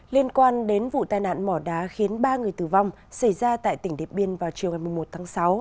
liên quan đến vụ tai nạn mỏ đá khiến ba người tử vong xảy ra tại tỉnh điệp biên vào chiều ngày một mươi một tháng sáu